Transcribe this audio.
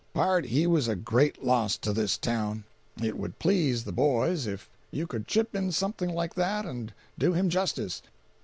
Pard, he was a great loss to this town. It would please the boys if you could chip in something like that and do him justice.